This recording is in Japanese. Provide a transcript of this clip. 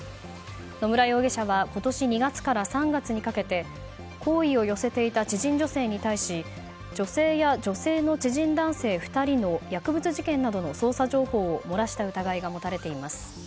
野村容疑者は今年２月から３月にかけて好意を寄せていた知人女性に対し女性や女性の知人男性２人の薬物事件などの捜査情報を漏らした疑いが持たれています。